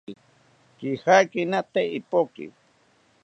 Kijakina tee ipoki